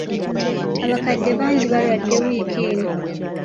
Abakadde bangi balwadde wiiki eno.